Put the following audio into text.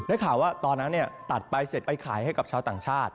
ได้ข่าวว่าตอนนั้นตัดไปเสร็จไปขายให้กับชาวต่างชาติ